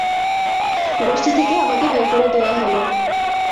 গোষ্ঠী থেকে আমাকে বের করে দেয়া হল।